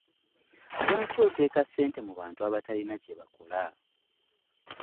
Lwaki oteeka sssente mu bantu abatalina kyebakola?